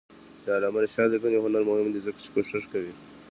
د علامه رشاد لیکنی هنر مهم دی ځکه چې کوشش کوي.